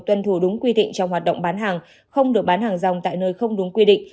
tuân thủ đúng quy định trong hoạt động bán hàng không được bán hàng rong tại nơi không đúng quy định